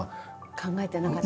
考えてなかったのよね。